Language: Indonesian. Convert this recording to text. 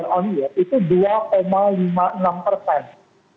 dan ini posisi yang cukup menarik ya